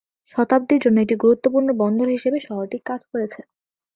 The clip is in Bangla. শতাব্দীর জন্য একটি গুরুত্বপূর্ণ বন্দর হিসেবে শহরটি কাজ করেছে।